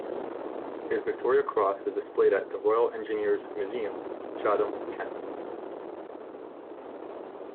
His Victoria Cross is displayed at the Royal Engineers Museum, Chatham, Kent.